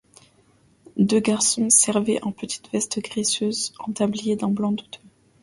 Deux garçons servaient, en petites vestes graisseuses, en tabliers d'un blanc douteux.